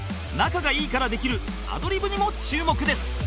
仲がいいからできるアドリブにも注目です